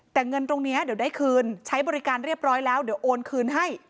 แต่เงินตรงนี้เดี๋ยวได้คืนใช้บริการเรียบร้อยแล้วเดี๋ยวโอนคืนให้